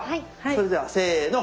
それではせーの！